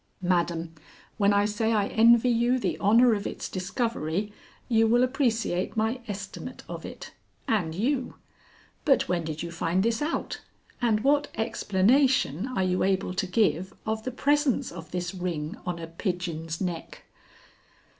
Madam, when I say I envy you the honor of its discovery, you will appreciate my estimate of it and you. But when did you find this out, and what explanation are you able to give of the presence of this ring on a pigeon's neck?"